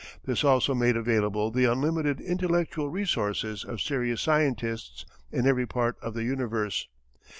This also made available the unlimited intellectual resources of serious scientists in every part of the universe.